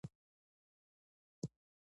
پوهېږې چې څه مې ورسره وکړل.